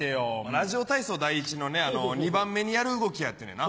「『ラジオ体操第１』の２番目にやる動きや」って言うねんな。